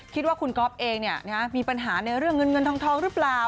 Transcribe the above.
คิดว่าคุณก๊อฟเองมีปัญหาในเรื่องเงินเงินทองหรือเปล่า